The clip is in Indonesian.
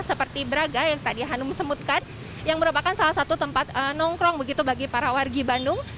seperti braga yang tadi hanum sebutkan yang merupakan salah satu tempat nongkrong begitu bagi para warga bandung